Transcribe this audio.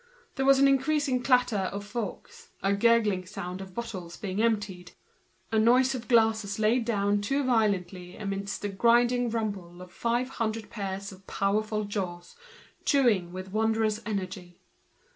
There was an increasing clatter of forks, a sound of bottles being emptied, the noise of glasses laid down too violently, the grinding rumble of five hundred pairs of powerful jaws working with wonderful energy.